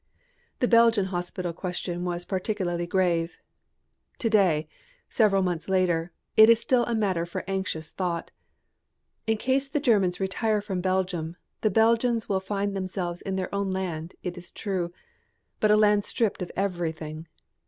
The Belgian hospital question was particularly grave. To day, several months later, it is still a matter for anxious thought. In case the Germans retire from Belgium the Belgians will find themselves in their own land, it is true, but a land stripped of everything.